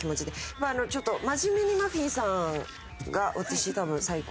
まあちょっとマジメニマフィンさんが私多分最高。